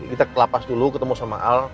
kita ke lapas dulu ketemu sama al